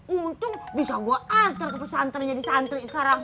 untung bisa gue ancur ke persantrenya di santri sekarang